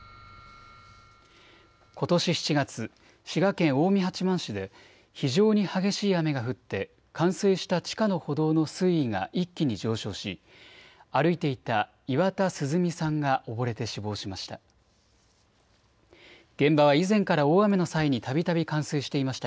ことし７月、滋賀県近江八幡市で非常に激しい雨が降って冠水した地下の歩道の水位が一気に上昇し歩いていた岩田鈴美さんが溺れて死亡しました。